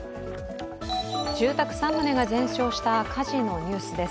住宅３棟が全焼した火事のニュースです。